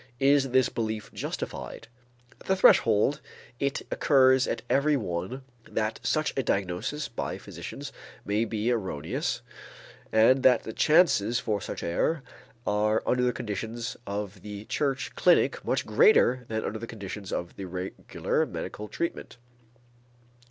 Is this belief justified? At the threshold, it occurs to every one that such a diagnosis by physicians may be erroneous and that the chances for such error are under the conditions of the church clinic much greater than under the conditions of a regular medical treatment.